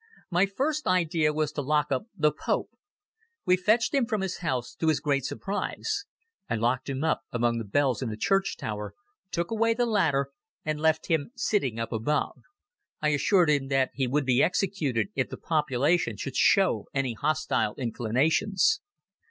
My first idea was to lock up the "pope". We fetched him from his house, to his great surprise. I locked him up among the bells in the church tower, took away the ladder and left him sitting up above. I assured him that he would be executed if the population should show any hostile inclinations.